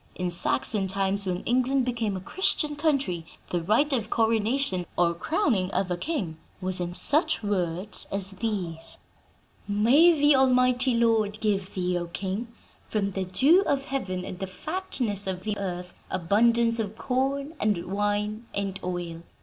In Saxon times, when England became a Christian country, the rite of coronation, or crowning of a king, was in such words as these: 'May the almighty Lord give thee, O king, from the dew of heaven and the fatness of the earth, abundance of corn and wine and oil!